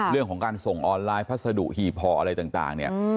เรื่องของการส่งออนไลน์พัสดุหีบห่ออะไรต่างเนี่ย